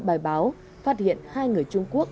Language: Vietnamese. bài báo phát hiện hai người trung quốc